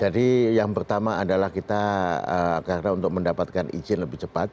jadi yang pertama adalah kita agar untuk mendapatkan izin lebih cepat